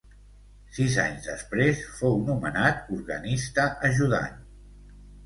Sis anys després fou nomenat organista ajudant.